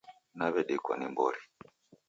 Naw'edikwa ni mbori.